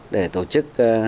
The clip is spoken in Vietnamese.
để tổ chức khám phá